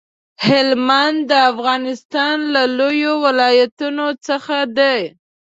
هلمند د افغانستان له لويو ولايتونو څخه دی.